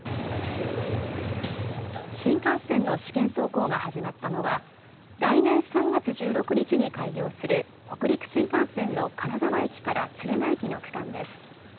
新幹線の試験走行が始まったのは来年３月１６日に開業する北陸新幹線の金沢駅から敦賀駅の区間です。